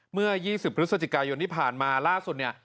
เมื่อ๒๐พฤศจิกายนที่ผ่านมาล่าสุดเนี่ย